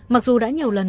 mặc dù đã nhiều lần